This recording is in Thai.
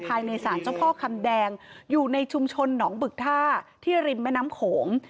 ภายในศาลเจ้าพ่อคำแดงอยู่ในชุมชนหนองบึกท่าที่ริมแม่น้ำโขง